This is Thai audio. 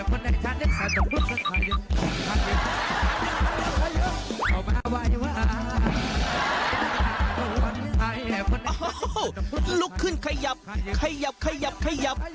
พอลุกขึ้นขยับขยับขยับขยับ